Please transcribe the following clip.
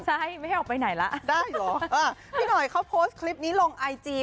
ใช่ไม่ให้ออกไปไหนล่ะได้เหรออ่าพี่หน่อยเขาโพสต์คลิปนี้ลงไอจี